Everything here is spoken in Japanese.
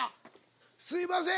すいません。